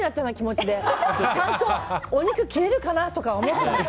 ちゃんとお肉切れるかな？とか思ったんです。